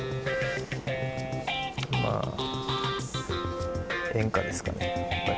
まあ、演歌ですかね、やっぱり。